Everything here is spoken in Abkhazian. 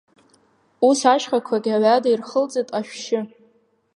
Ус, ашьхақәагь аҩада ирхылҵит ашәшьы.